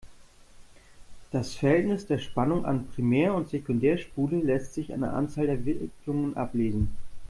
Das Verhältnis der Spannung an Primär- und Sekundärspule lässt sich an der Anzahl der Wicklungen ablesen.